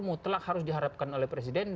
mutlak harus diharapkan oleh presiden